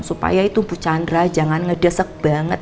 supaya itu bu chandra jangan ngedesek banget